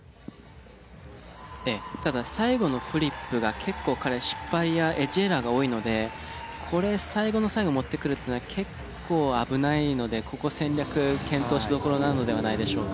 ただ最後のフリップが結構彼は失敗やエッジエラーが多いのでこれ最後の最後に持ってくるっていうのは結構危ないのでここ戦略検討しどころなのではないでしょうか。